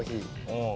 うん。